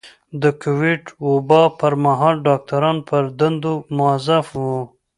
د کوويډ وبا پر مهال ډاکټران پر دندو مؤظف وو.